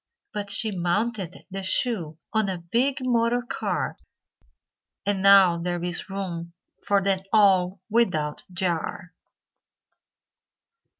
But she mounted the shoe On a big motor car, And now there is room For them all without jar.